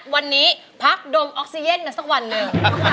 วันนี้พักดมออกเซียนเหมือนสักวันเลย